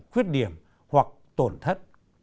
khuyết điểm hoặc tổn thất